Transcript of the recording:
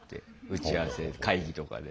打ち合わせ会議とかで。